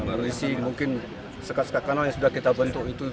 baru isi mungkin sekat sekat kanal yang sudah kita bentuk itu